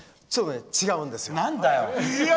違うんですよ。